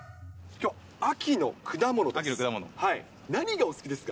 きょう、秋の果物です。